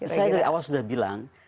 saya dari awal sudah bilang